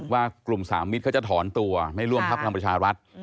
ว่ากลุ่มสามมิตรเขาจะถอนตัวไม่ร่วมพักพลังประชารัฐ